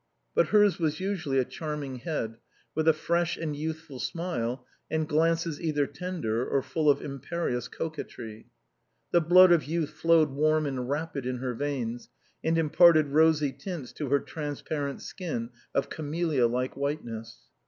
But hers was usually a charming head, with a fresh and youthful smile and glances either tender or full of imperious coquetry. The blood of youth flowed warm and rapid in her veins, and imparted rosy tints to her MADEMOISELLE MIMI. 167 transparent skin of camellia like whiteness.